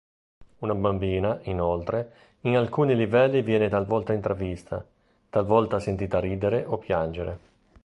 Una bambina, inoltre, in alcuni livelli viene talvolta intravista, talvolta sentita ridere o piangere.